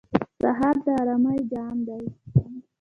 سهار د آرامۍ جام دی.